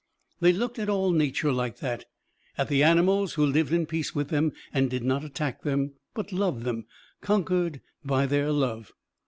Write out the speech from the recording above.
They looked at all Nature like that at the animals who lived in peace with them and did not attack them, but loved them, conquered by their love.